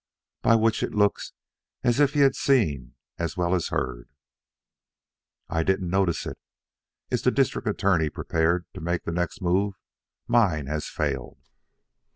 By which it looks as if he had seen as well as heard. "I didn't notice it. Is the District Attorney prepared to make the next move? Mine has failed."